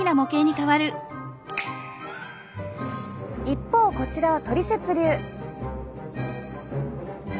一方こちらはトリセツ流。